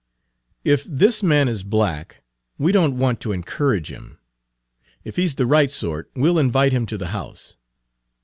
"If this man is black, we don't want to encourage him. If he 's the right sort, we'll invite him to the house."